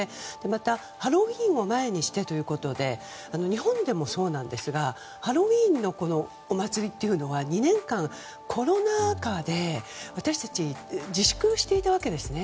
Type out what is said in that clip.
また、ハロウィーンを前にしてということで日本でもそうなんですがハロウィーンのお祭りというのは２年間、コロナ禍で私たち自粛していたわけですね。